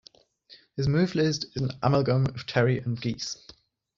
His move list is an amalgam of Terry and Geese.